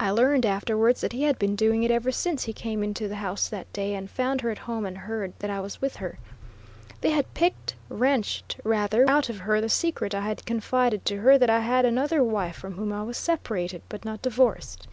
I learned afterwards that he had been doing it ever since he came into the house that day and found her at home and heard that I was with her. They had picked, wrenched rather, out of her the secret I had confided to her that I had another wife from whom I was "separated," but not divorced.